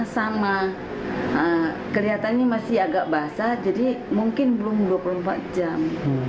sama kelihatannya masih agak basah jadi mungkin belum dua puluh empat jam